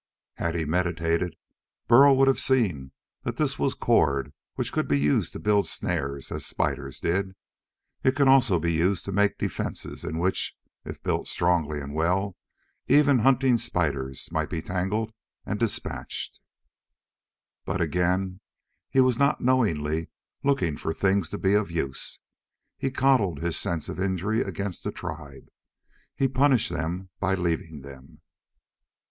Had he meditated, Burl would have seen that this was cord which could be used to build snares as spiders did. It could also be used to make defenses in which if built strongly and well even hunting spiders might be tangled and dispatched. But again he was not knowingly looking for things to be of use. He coddled his sense of injury against the tribe. He punished them by leaving them.